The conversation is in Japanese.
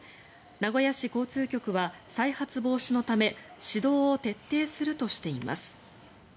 名古屋市交通局は再発防止のため指導を徹底するとしています。